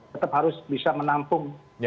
tetap harus bisa menampung